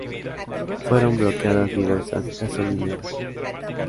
Fueron bloqueadas diversas gasolineras.